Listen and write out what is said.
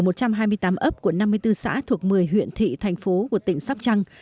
ở một trăm hai mươi tám ấp của năm mươi bốn xã thuộc một mươi huyện thị thành phố của tỉnh sóc trăng